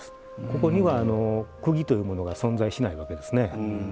ここには釘というものが存在しないわけですね。